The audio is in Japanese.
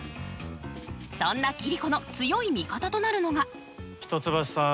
そんな桐子の強い味方となるのが。